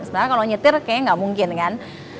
sebenarnya kalau nyetir kayaknya nggak mungkin kan